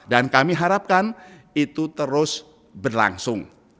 dan kami harapkan itu terus berlangsung